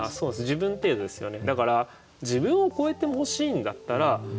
自分程度ですよね。